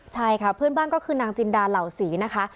ใช่ค่ะเพื่อนบ้านก็คือนางจินดาเหล่าศรีนะคะ